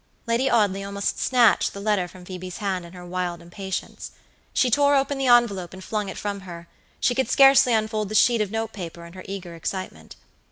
Lady Audley almost snatched the letter from Phoebe's hand in her wild impatience. She tore open the envelope and flung it from her; she could scarcely unfold the sheet of note paper in her eager excitement.